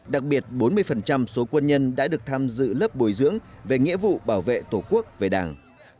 đặc biệt bốn mươi số quân nhân đã được tham dự lớp bồi dưỡng về nghĩa vụ bảo vệ tổ quốc về đảng